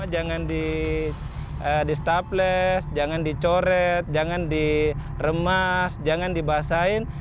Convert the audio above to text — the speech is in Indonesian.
jangan di stabless jangan di coret jangan di remas jangan di basahin